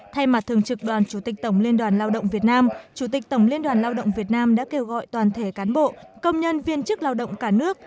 thay mặt thường trực đoàn chủ tịch tổng liên đoàn lao động việt nam chủ tịch tổng liên đoàn lao động việt nam đã kêu gọi toàn thể cán bộ công nhân viên chức lao động cả nước